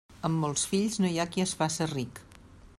Amb molts fills no hi ha qui es faça ric.